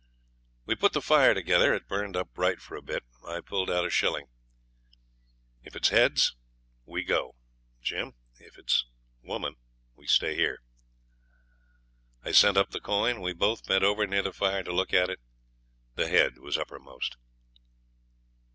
We put the fire together. It burnt up bright for a bit. I pulled out a shilling. 'If it's head we go, Jim; if it's woman, we stay here.' I sent up the coin; we both bent over near the fire to look at it. The head was uppermost.